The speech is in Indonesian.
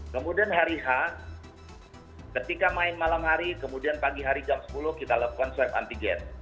kemudian hari h ketika main malam hari kemudian pagi hari jam sepuluh kita lakukan swab antigen